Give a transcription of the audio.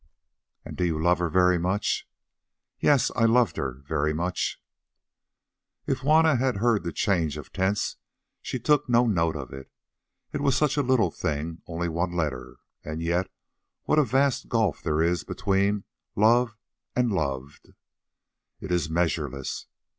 "And do you love her very much?" "Yes, I loved her very much." If Juanna heard the change of tense she took no note of it; it was such a little thing, only one letter. And yet what a vast gulf there is between love and loved! It is measureless.